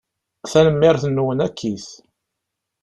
Tanemmirt-nwen akkit.